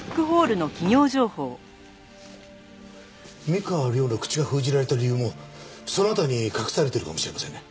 三河亮の口が封じられた理由もその辺りに隠されてるかもしれませんね。